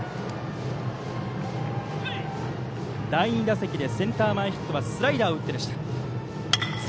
第２打席でセンター前ヒットはスライダーを打ってでした。